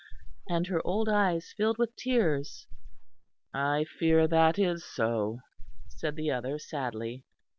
And her old eyes filled with tears. "I fear that is so," said the other sadly.